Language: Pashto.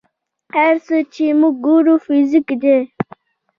هر څه چې موږ ګورو فزیک دی.